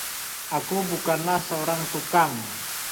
Aku bukanlah seorang tukang.